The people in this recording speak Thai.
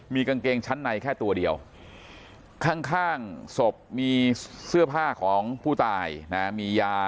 มีกางเกงชั้นในแค่ตัวเดียวข้างศพมีเสื้อผ้าของผู้ตายนะมียา